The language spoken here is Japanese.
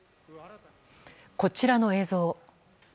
こちらの映像。